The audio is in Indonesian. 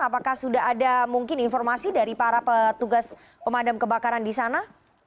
apakah sudah ada mungkin informasi dari para petugas pemadam kebakaran di sana